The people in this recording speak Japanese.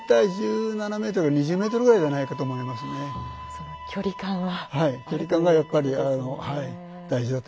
その距離感は。